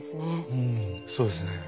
うんそうですね。